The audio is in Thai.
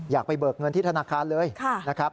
ไปเบิกเงินที่ธนาคารเลยนะครับ